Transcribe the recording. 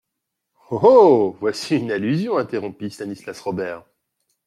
Oh ! oh ! voici une allusion, interrompit Stanislas Robert.